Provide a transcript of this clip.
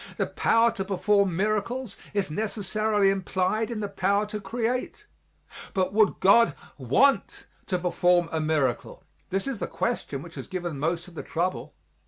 The power to perform miracles is necessarily implied in the power to create. But would God want to perform a miracle? this is the question which has given most of the trouble.